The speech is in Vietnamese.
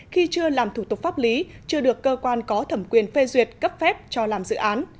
khi chưa làm thủ tục pháp lý chưa được cơ quan có thẩm quyền phê duyệt cấp phép cho làm dự án